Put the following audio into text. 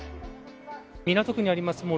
港区にあります